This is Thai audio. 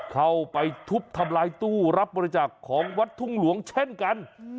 เข้าไปทุบทำลายตู้รับบริจาคของวัดทุ่งหลวงเช่นกัน